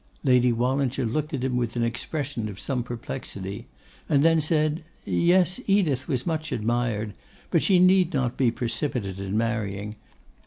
Lady Wallinger looked at him with an expression of some perplexity, and then said, 'Yes, Edith was much admired; but she need not be precipitate in marrying.